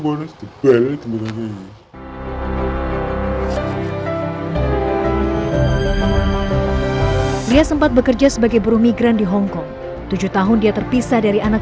gue beli beli sempat bekerja sebagai berumigran di hongkong tujuh tahun dia terpisah dari anak